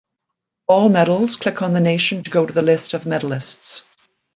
All medals, click on the nation to go to the list of medallists.